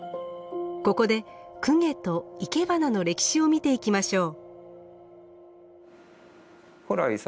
ここで供華といけばなの歴史を見ていきましょう。